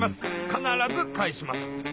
必ず返します。